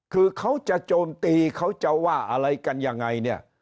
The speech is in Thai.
คือเขาจะโจมตีเขาจะว่าอะไรกันยังไงเนี่ย